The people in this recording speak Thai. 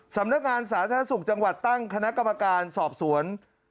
สำนักงานสาธารณสุขจังหวัดตั้งคณะกรรมการสอบสวน